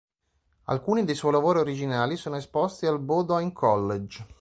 Alcuni dei suoi lavori originali sono esposti al Bowdoin College.